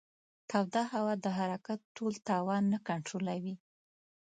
توده هوا د حرکت ټول توان نه کنټرولوي.